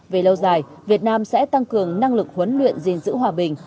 về lâu dài việt nam sẽ tăng cường năng lực huấn luyện dình dữ hòa bình